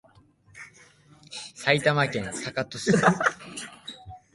埼玉県坂戸市